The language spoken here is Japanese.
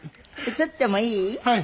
映ってもいい？